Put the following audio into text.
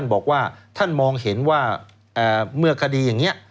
บอกว่าท่านมองเห็นว่าเมื่อคดีอย่างนี้